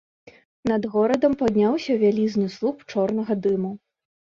Над горадам падняўся вялізны слуп чорнага дыму.